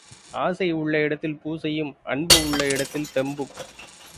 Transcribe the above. ஆசை உள்ள இடத்தில் பூசையும் அன்பு உள்ள இடத்தில் தென்பும்.